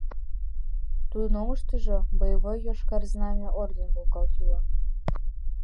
Тудын оҥыштыжо боевой йошкар Знамя орден волгалт йӱла.